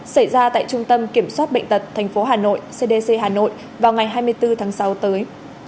xảy ra tại trung tâm kiểm soát bệnh tật tp hcm vào ngày hai mươi bốn tháng sáu tới